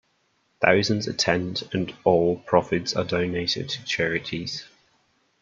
Thousands attend and all profits are donated to charities.